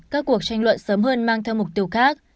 tranh luận sớm hơn mang theo mục tiêu khác